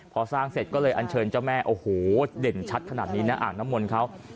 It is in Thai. พอสร้างเสร็จก็เลยอันเชิญเจ้าแม่โอ้โหเด่นชัดขนาดนี้นะอ่างน้ำมนต์เขา